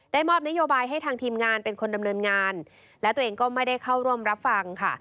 มอบนโยบายให้ทางทีมงานเป็นคนดำเนินงานและตัวเองก็ไม่ได้เข้าร่วมรับฟังค่ะ